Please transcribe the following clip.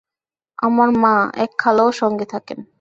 আমার মা, এক খালাও সঙ্গে থাকেন।